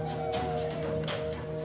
pemerintah joko widodo